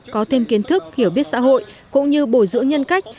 có thêm kiến thức hiểu biết xã hội cũng như bồi dưỡng nhân cách